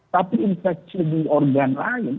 tapi infeksi di organ lain